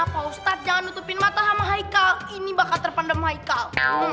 pak ustadz jangan nutupin mata sama haikal ini bakal terpandang michael